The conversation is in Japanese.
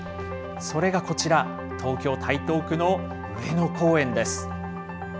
それがこちら、東京・台東区の上野公園です。